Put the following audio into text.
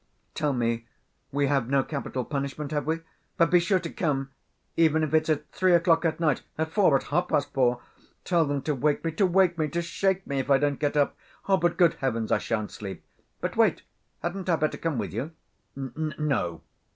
Tell me, we have no capital punishment, have we? But be sure to come, even if it's at three o'clock at night, at four, at half‐past four.... Tell them to wake me, to wake me, to shake me, if I don't get up.... But, good heavens, I shan't sleep! But wait, hadn't I better come with you?" "N—no.